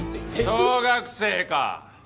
小学生か！